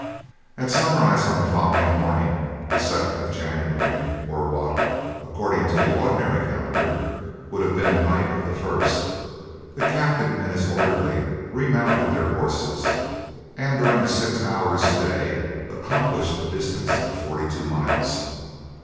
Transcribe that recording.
At sunrise on the following morning, the 2nd of January, or what, according to the ordinary calendar, would have been the night of the 1st, the captain and his orderly remounted their horses, and during the six hours' day accomplished a distance of forty two miles.